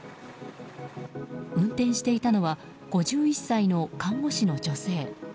運転していたのは５１歳の看護師の女性。